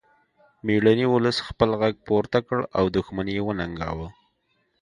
میړني ولس خپل غږ پورته کړ او دښمن یې وننګاوه